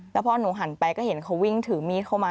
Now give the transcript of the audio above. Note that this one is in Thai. แล้วพอหนูหันไปก็เห็นเขาวิ่งถือมีดเข้ามา